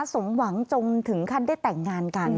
สมหวังจนถึงขั้นได้แต่งงานกัน